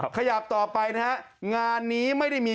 ขยับต่อไปนะฮะงานนี้ไม่ได้มี